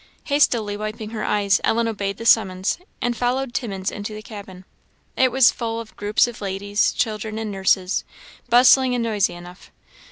Hastily wiping her eyes, Ellen obeyed the summons, and followed Timmins into the cabin. It was full of groups of ladies, children, and nurses bustling and noisy enough.